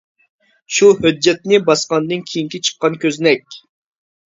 شۇ ھۆججەتنى باسقاندىن كېيىنكى چىققان كۆزنەك.